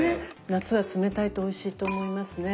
夏は冷たいとおいしいと思いますね。